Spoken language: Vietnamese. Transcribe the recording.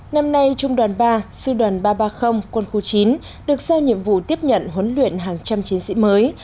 năm nay trung đoàn ba sư đoàn ba trăm ba mươi quân khu chín được giao nhiệm vụ tiếp nhận huấn luyện hàng trăm chiến sĩ mới